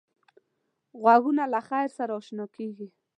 غوږونه له خیر سره اشنا کېږي